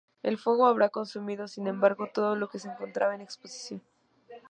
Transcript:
El fuego habrá consumido, sin embargo, todo lo que se encontraba en exposición.